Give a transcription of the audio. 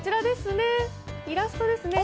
イラストですね。